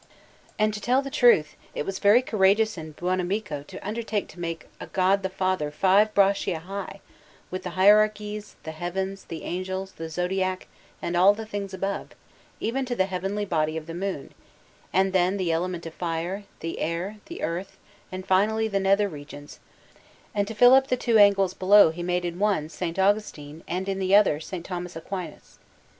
And to tell the truth, it was very courageous in Buonamico to undertake to make a God the Father five braccia high, with the hierarchies, the heavens, the angels, the zodiac, and all the things above, even to the heavenly body of the moon, and then the element of fire, the air, the earth, and finally the nether regions; and to fill up the two angles below he made in one, S. Augustine, and in the other, S. Thomas Aquinas.